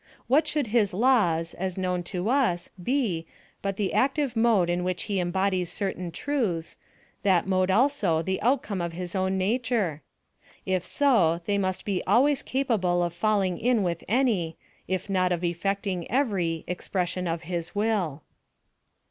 What should his laws, as known to us, be but the active mode in which he embodies certain truths that mode also the outcome of his own nature? If so, they must be always capable of falling in with any, if not of effecting every, expression of his will.